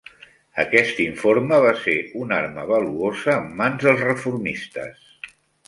Aquest informe va ser una arma valuosa en mans dels reformistes.